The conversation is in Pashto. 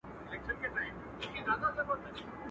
هم له ژوندیو، هم قبرونو سره لوبي کوي.